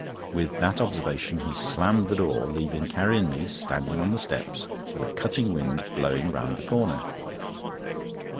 With that observation he slammed the door, leaving Carrie and me standing on the steps with a cutting wind blowing round the corner.